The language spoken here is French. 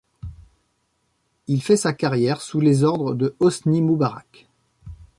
Il fait sa carrière sous les ordres de Hosni Moubarak.